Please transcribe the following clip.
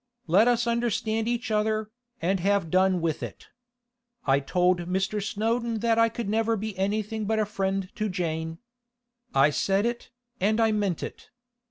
Let us understand each other, and have done with it. I told Mr. Snowdon that I could never be anything but a friend to Jane. I said it, and I meant it.